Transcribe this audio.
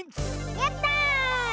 やった！